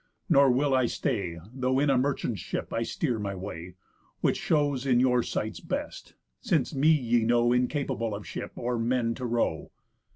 Nor will I stay, Though in a merchant's ship I steer my way; Which shows in your sights best; since me ye know Incapable of ship, or men to row."